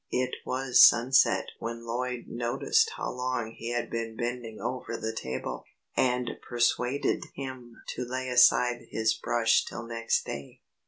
It was sunset when Lloyd noticed how long he had been bending over the table, and persuaded him to lay aside his brush till next day.